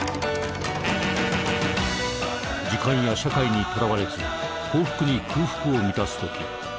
時間や社会にとらわれず幸福に空腹を満たすとき